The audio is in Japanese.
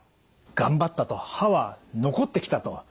頑張ったと歯は残ってきたと。